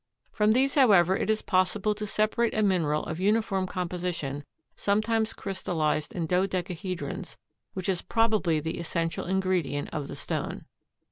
From these however it is possible to separate a mineral of uniform composition sometimes crystallized in dodecahedrons which is probably the essential ingredient of the stone.